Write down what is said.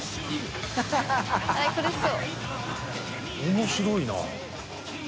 面白いな。